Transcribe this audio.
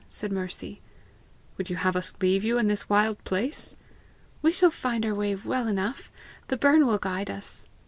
said Mercy. "Would you have us leave you in this wild place?" "We shall find our way well enough. The burn will guide us."